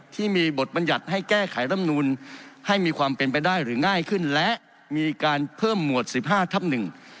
ที่มีบทบัญญัติให้แก้ไขรำนูลให้มีความเป็นไปได้หรือง่ายขึ้นและมีการเพิ่มหมวดสิบห้าทับหนึ่ง